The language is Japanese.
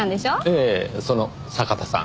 ええその酒田さん。